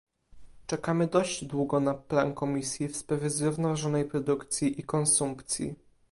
Czekamy dość długo na plan Komisji w sprawie zrównoważonej produkcji i konsumpcji